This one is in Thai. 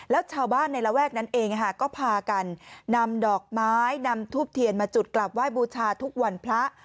แล้วชาวบ้านในระแวกนั้นเองก็พากันนำดอกไม้นำทูบเทียนมาจุดกลับไหว้บูชาทุกวันพระ